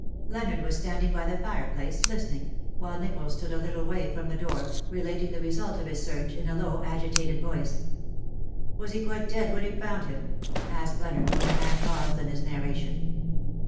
Leonard was standing by the fireplace, listening. STILL COME NEW WOES." 19 while Nicholls stood a little way from the door, relating the result of his search, in a low agitated voice. " Was he quite dead when you found him ?" asked Leonard, when the man paused in his nar ration.